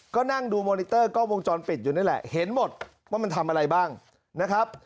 ก็นั่งดูมอนิเตอร์กล้องวงจรปิดอยู่นี่แหละเห็นหมดว่ามันทำอะไรบ้างนะครับ